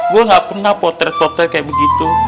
gue gak pernah potret potret kayak begitu